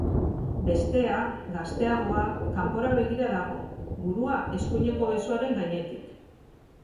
Bestea, gazteagoa, kanpora begira dago, burua eskuineko besoaren gainetik.